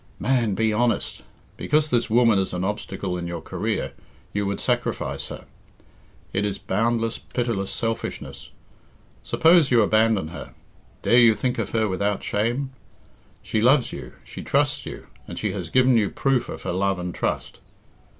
Man, be honest. Because this woman is an obstacle in your career, you would sacrifice her. It is boundless, pitiless selfishness. Suppose you abandon her, dare you think of her without shame! She loves you, she trusts you, and she has given you proof of her love and trust.